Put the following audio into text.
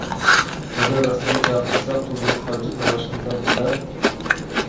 ئەگەر راستتىنلا چاقىرتساق، ئۇنىڭغا قانچىلىك تاماشىبىنلار كېلەر؟